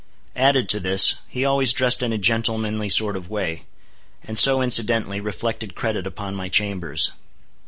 Added to this, he always dressed in a gentlemanly sort of way; and so, incidentally, reflected credit upon my chambers.